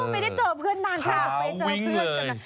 ไม่ได้เจอเพื่อนนานครับไปเจอเพื่อนพาวิ้งเลย